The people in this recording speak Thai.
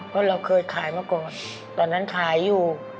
เพราะเราเคยขายมาก่อนตอนนั้นขายอยู่